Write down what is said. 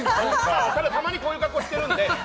たまにこういう格好してるので。